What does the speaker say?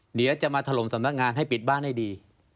เดี๋ยวจะมาถล่มสำนักงานให้ปิดบ้านให้ดี